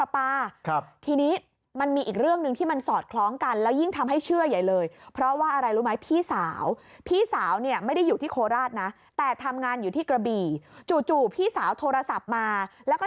เผื่อท่อปลาปลาใต้ดินมันแตก